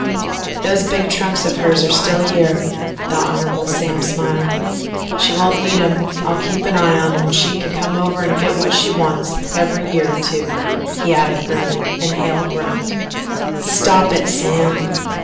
"Those big trunks of hers are still here." The Hon. Sam smiled. "She won't need 'em. I'll keep an eye on 'em and she can come over and get what she wants every year or two," he added grimly, and Hale groaned. "Stop it, Sam."